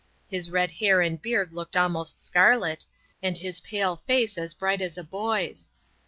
His red hair and beard looked almost scarlet, and his pale face as bright as a boy's.